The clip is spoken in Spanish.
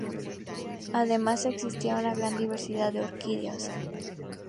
Además, existen una gran diversidad de orquídeas.